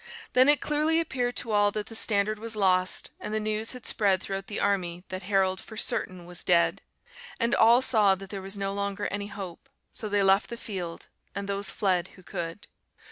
Then it clearly appeared to all that the standard was lost, and the news had spread throughout the army that Harold for certain was dead; and all saw that there was no longer any hope, so they left the field, and those fled who could.